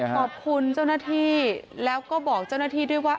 ขอบคุณเจ้าหน้าที่แล้วก็บอกเจ้าหน้าที่ด้วยว่า